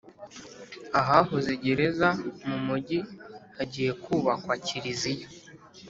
Ahahoze gereza mumugi hagiye kubakwa kiriziya